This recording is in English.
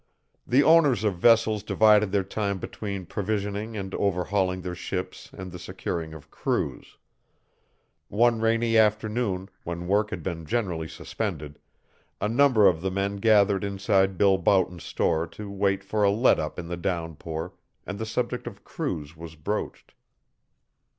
The owners of vessels divided their time between provisioning and overhauling their ships and the securing of crews. One rainy afternoon, when work had been generally suspended, a number of the men gathered inside Bill Boughton's store to wait for a let up in the downpour, and the subject of crews was broached.